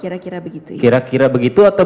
kira kira begitu kira kira begitu atau